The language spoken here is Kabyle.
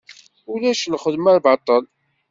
Ulac lxedma n baṭel.